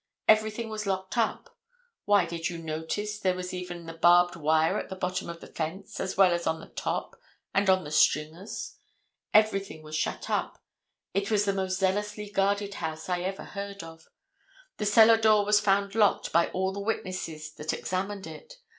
Everything was locked up. Why, did you notice there was even the barbed wire at the bottom of the fence as well as on the top and on the stringers? Everything was shut up. It was the most zealously guarded house I ever heard of. The cellar door was found locked by all the witnesses that examined it.